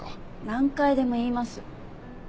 何回でも言います。